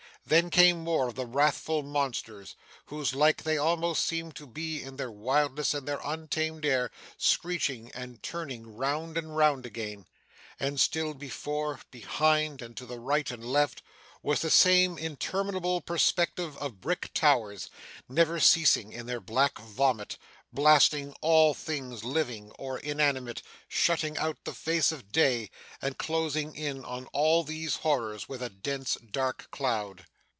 Then came more of the wrathful monsters, whose like they almost seemed to be in their wildness and their untamed air, screeching and turning round and round again; and still, before, behind, and to the right and left, was the same interminable perspective of brick towers, never ceasing in their black vomit, blasting all things living or inanimate, shutting out the face of day, and closing in on all these horrors with a dense dark cloud.